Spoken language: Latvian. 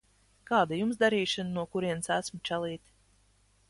Kāda Jums darīšana no kurienes esmu, čalīt?